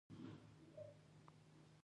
آیا دوی د بریښنا مزي نه غځوي؟